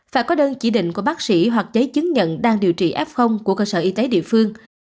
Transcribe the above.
phải có đơn chỉ định của bác sĩ hoặc giấy chứng nhận đang điều trị f của cơ sở y tế địa phương